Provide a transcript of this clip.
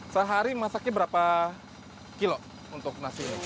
sehari masaknya berapa kilo untuk nasi ini